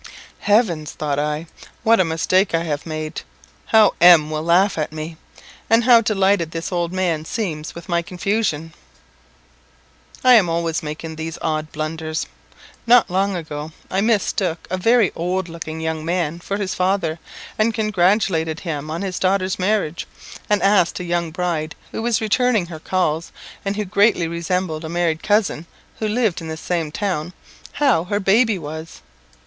"Heavens!" thought I, "what a mistake I have made! How M will laugh at me, and how delighted this old man seems with my confusion!" I am always making these odd blunders. Not long ago I mistook a very old looking young man for his father, and congratulated him on his daughter's marriage; and asked a young bride who was returning her calls, and who greatly resembled a married cousin who lived in the same town, _how her baby was?